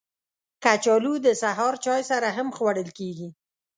کچالو د سهار چای سره هم خوړل کېږي